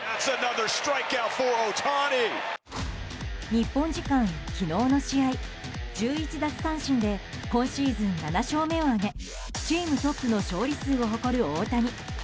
日本時間昨日の試合１１奪三振で今シーズン７勝目を挙げチームトップの勝利数を誇る大谷。